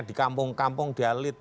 di kampung kampung dia lead